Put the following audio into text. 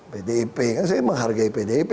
pdp kan saya menghargai pdp